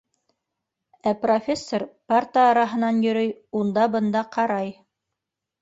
Ә профессор парта араһынан йөрөй, унда-бында ҡарай.